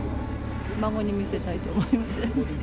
孫に見せたいと思います。